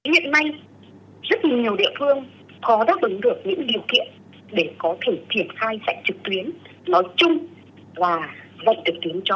vậy theo bài thì bộ thì cần có những giải pháp gì để có thể việc dạy và học